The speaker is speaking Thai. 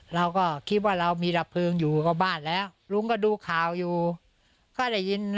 เราก็คิดว่าเรามีดับเพลิงอยู่กับบ้านแล้วลุงก็ดูข่าวอยู่ก็ได้ยิน